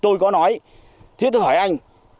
tôi có nói thế tôi hỏi anh